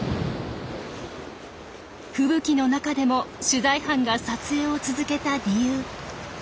吹雪の中でも取材班が撮影を続けた理由。